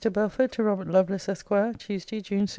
BELFORD, TO ROBERT LOVELACE, ESQ. TUESDAY, JUNE 6.